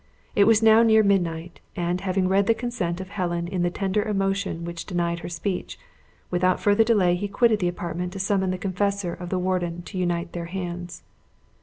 It was now near midnight; and having read the consent of Helen in the tender emotion which denied her speech, without further delay he quitted the apartment to summon the confessor of the warden to unite their hands.